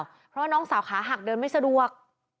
เพราะว่าน้องสาวขาหักเดินไม่สะดวก